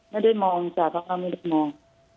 ไม่ได้มองจ้ะเพราะเขาไม่ได้มอง